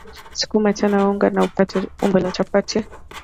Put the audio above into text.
Sukuma tena unga na upate umbo la chapati